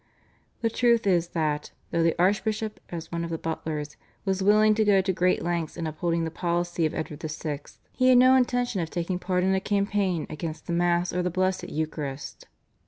The truth is that, though the archbishop, as one of the Butlers, was willing to go to great lengths in upholding the policy of Edward VI., he had no intention of taking part in a campaign against the Mass or the Blessed Eucharist.